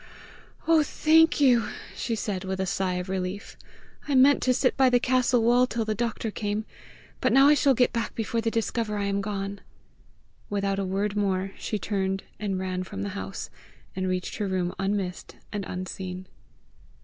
"Oh, thank you!" she said, with a sigh of relief. "I meant to sit by the castle wall till the doctor came; but now I shall get back before they discover I am gone." Without a word more, she turned and ran from the house, and reached her room unmissed and unseen.